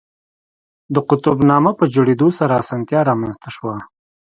د قطب نما په جوړېدو سره اسانتیا رامنځته شوه.